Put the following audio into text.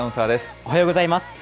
おはようございます。